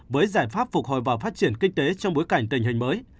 với giải pháp phục hồi và phát triển kinh tế trong bối cảnh tình hình mới